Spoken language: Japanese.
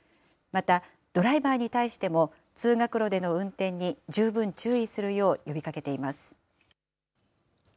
また、ドライバーに対しても、通学路での運転に十分注意するよう呼びかけています。